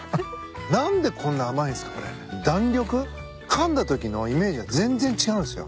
かんだときのイメージが全然違うんすよ。